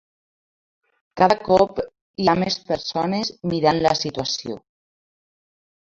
Cada cop hi ha més persones mirant la situació.